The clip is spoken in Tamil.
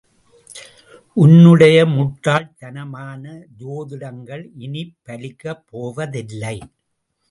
உன்னுடைய முட்டாள்தனமான ஜோதிடங்கள் இனிப் பலிக்கப்போவதில்லை.